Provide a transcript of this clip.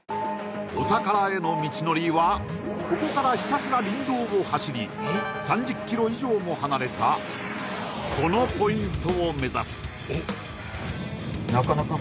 お宝への道のりはここからひたすら林道を走り３０ｋｍ以上も離れたこのポイントを目指す